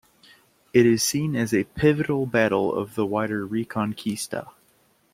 It is seen as a pivotal battle of the wider "Reconquista".